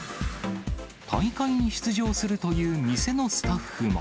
大会に出場するという店のスタッフも。